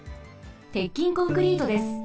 鉄筋コンクリートです。